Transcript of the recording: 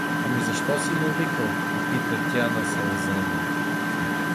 — Ами защо си ме викал? — попита тя насълзена.